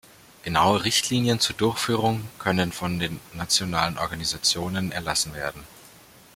Genaue Richtlinien zur Durchführung können von den nationalen Organisationen erlassen werden.